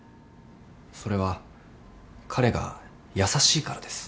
それは彼が優しいからです。